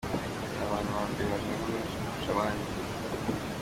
Dore abantu ba mbere bahembwa menshi kurusha abandi.